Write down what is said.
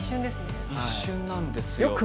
一瞬なんですよ。